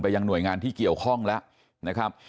ยังหน่วยงานที่เกี่ยวข้องแล้วนะครับ